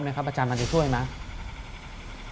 มันจะช่วยไหม